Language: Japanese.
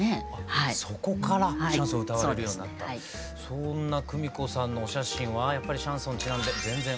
そんなクミコさんのお写真はやっぱりシャンソンにちなんで全然。